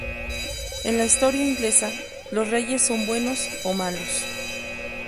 En la historia inglesa, los reyes son "buenos" o "malos".